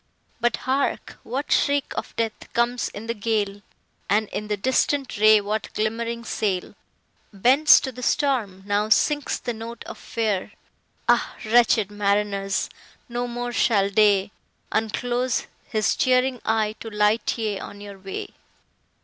But hark! what shriek of death comes in the gale, And in the distant ray what glimmering sail Bends to the storm?—Now sinks the note of fear! Ah! wretched mariners!—no more shall day Unclose his cheering eye to light ye on your way!